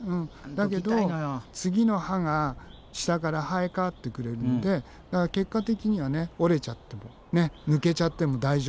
だけど次の歯が下から生え変わってくるんでだから結果的には折れちゃっても抜けちゃっても大丈夫なの。